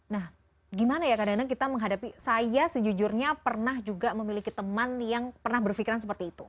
nah gimana ya kadang kadang kita menghadapi saya sejujurnya pernah juga memiliki teman yang pernah berpikiran seperti itu